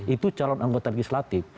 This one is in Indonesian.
itu calon anggota legislatif